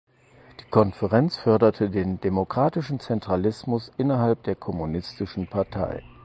Die Konferenz förderte den „Demokratischen Zentralismus“ innerhalb der Kommunistischen Partei.